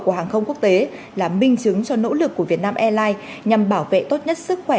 của hàng không quốc tế là minh chứng cho nỗ lực của việt nam airlines nhằm bảo vệ tốt nhất sức khỏe